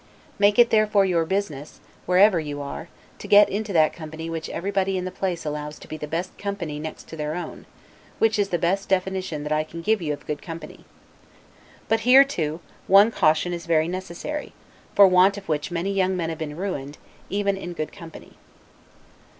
Make it therefore your business, wherever you are, to get into that company which everybody in the place allows to be the best company next to their own; which is the best definition that I can give you of good company. But here, too, one caution is very necessary, for want of which many young men have been ruined, even in good company.